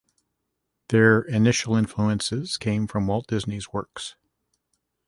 Their initial influences came from Walt Disney’s works.